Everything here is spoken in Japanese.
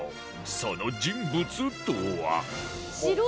その人物とは